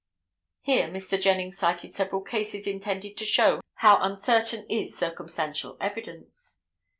Here Mr. Jennings cited several cases intended to show how uncertain is circumstantial evidence.